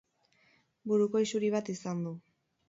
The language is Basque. Buruko isuri bat izan du.